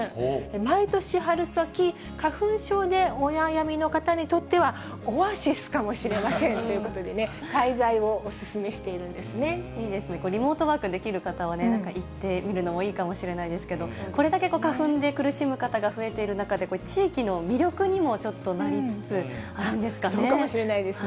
毎年春先、花粉症でお悩みの方にとっては、オアシスかもしれませんということでね、滞在をお勧めしているんいいですね、リモートワークできる方は、行ってみるのもいいかもしれないですけど、これだけ花粉で苦しむ方が増えている中で、地域の魅力にもちょっそうかもしれないですね。